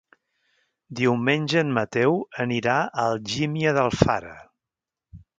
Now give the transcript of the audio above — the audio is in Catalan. Diumenge en Mateu anirà a Algímia d'Alfara.